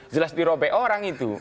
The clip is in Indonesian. jelas dirobek orang itu